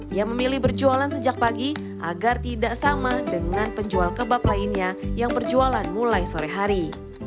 ia memilih berjualan sejak pagi agar tidak sama dengan penjual kebab lainnya yang berjualan mulai sore hari